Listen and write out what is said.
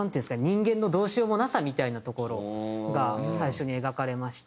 人間のどうしようもなさみたいなところが最初に描かれまして。